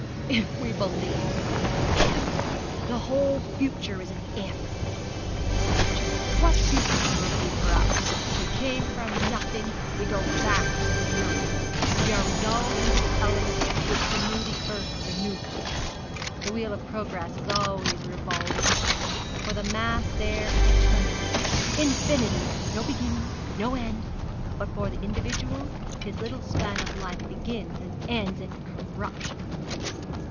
'If we believe! If! The whole future is an "if!" The future! What future can there be for us? We came from nothing, we go back to nothing we are resolved into the elements which renew the earth for new comers. The wheel of progress is always revolving for the mass there is eternity, infinity no beginning, no end; but for the individual, his little span of life begins and ends in corruption.'